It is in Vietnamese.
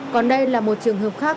còn đây là một trường hợp khác